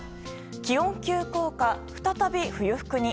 気温急降下、再び冬服に。